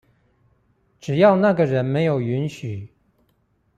只要那個人沒有允許